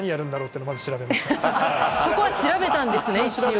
そこは調べたんですね、一応。